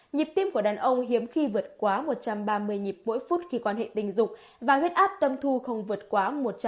nhịp tim của đàn ông hiếm khi vượt quá một trăm ba mươi nhịp mỗi phút khi quan hệ tình dục và huyết áp tâm thu không vượt quá một trăm linh